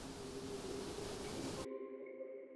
আরে গুপ্তামশাই, এইভাবে হলে কারো বন্ধুরই বিয়ে হবে।